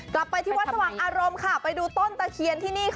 กลับไปที่วัดสว่างอารมณ์ค่ะไปดูต้นตะเคียนที่นี่ค่ะ